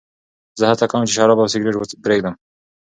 زه هڅه کوم چې شراب او سګرېټ پرېږدم.